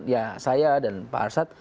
ya saya dan pak arsad